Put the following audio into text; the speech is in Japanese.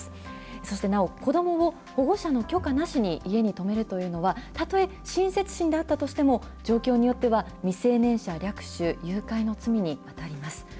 そしてなお、子どもを保護者の許可なしに家に泊めるというのは、たとえ親切心であったとしても、状況によっては、未成年者略取・誘拐の罪に当たります。